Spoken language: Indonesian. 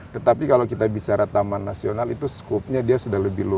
tetapi kalau kita bicara taman nasional itu skupnya dia sudah lebih luas